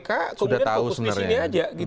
kemudian fokus di sini saja